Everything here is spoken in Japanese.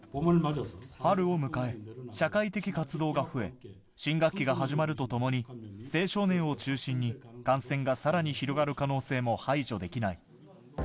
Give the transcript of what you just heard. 春を迎え、社会的活動が増え、新学期が始まるとともに、青少年を中心に感染がさらに広がる可能性も排除できない。